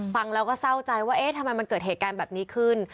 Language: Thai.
ฟังแล้วก็เศร้าใจว่าเอ๊ะทำไมมันเกิดเหตุการณ์แบบนี้ขึ้น